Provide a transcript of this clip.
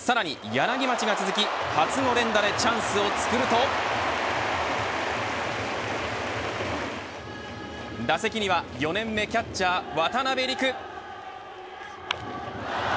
柳町が続き初の連打でチャンスをつくると打席には４年目キャッチャーは渡邊陸。